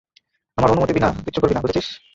আমার অনুমতি বিনা কিচ্ছু করবি না, বুঝেছিস?